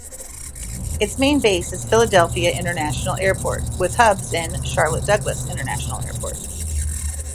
Its main base is Philadelphia International Airport with hubs in Charlotte Douglas International Airport.